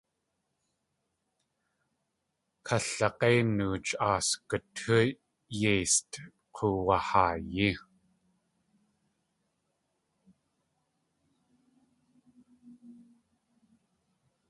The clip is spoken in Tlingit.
Kalag̲éi nooch aasgutú yeist k̲uwuhaayí.